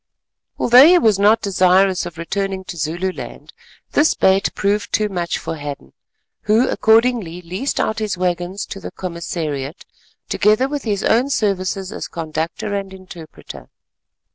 Although he was not desirous of returning to Zululand, this bait proved too much for Hadden, who accordingly leased out his waggons to the Commissariat, together with his own services as conductor and interpreter.